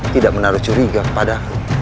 tidak menaruh curiga pada